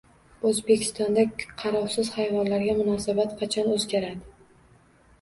O‘zbekistonda qarovsiz hayvonlarga munosabat qachon o‘zgaradi?